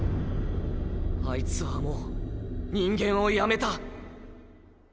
あいつはもう人間をやめた。